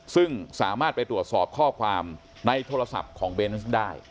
ซึ่งสามารถไปตรวจสอบข้อความในโทรศัพท์ของเบนส์ได้